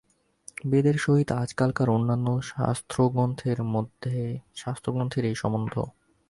বেদের সহিত আজকালকার অন্যান্য শাস্ত্রগ্রন্থের এই সম্বন্ধ।